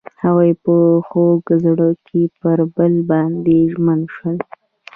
هغوی په خوږ زړه کې پر بل باندې ژمن شول.